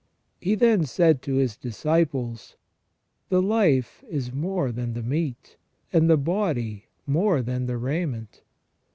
He then said to His disciples :" The life is more than the meat, and the body more than the raiment.